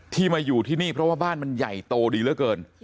มาอยู่ที่นี่เพราะว่าบ้านมันใหญ่โตดีเหลือเกิน